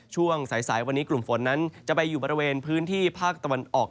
ช่วงสายวันนี้กลุ่มฝนนั้นจะไปอยู่บริเวณพื้นที่ภาคตะวันออก